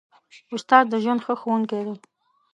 استاد د ژوند ښه ښوونکی دی.